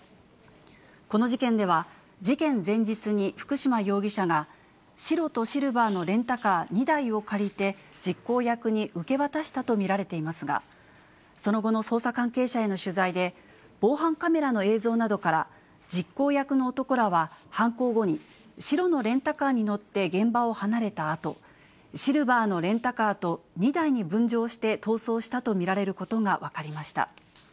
この事件では、事件前日に福島容疑者が、白とシルバーのレンタカー２台を借りて、実行役に受け渡したと見られていますが、その後の捜査関係者への取材で、防犯カメラの映像などから、実行役の男らは犯行後に、白のレンタカーに乗って現場を離れたあと、シルバーのレンタカーと２台に分乗して逃走したと見られることが分かりました。